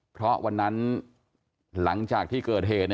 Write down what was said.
เพราะวันนั้นหลังจากที่เกิดเหตุ